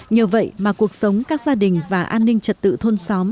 nhờ vậy mà cuộc sống các gia đình và an ninh trật tự thôn xóm